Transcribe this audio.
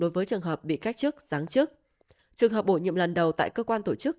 đối với trường hợp bị cách chức giáng chức trường hợp bổ nhiệm lần đầu tại cơ quan tổ chức